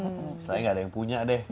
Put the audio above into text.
misalnya nggak ada yang punya deh